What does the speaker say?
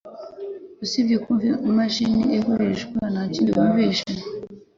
usibye kumva imashini igurishwa nakindi wumvishe.